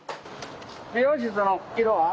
美容室の色は？